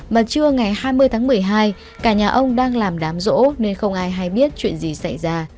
mà trưa ngày hai mươi tháng một mươi hai cả nhà ông đang làm đám rỗ nên không ai hay biết chuyện gì xảy ra